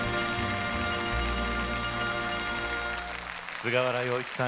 菅原洋一さん